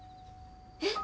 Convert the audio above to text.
えっ？